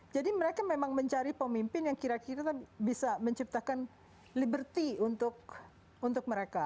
jadi mereka memang mencari pemimpin yang kira kira bisa menciptakan liberty untuk mereka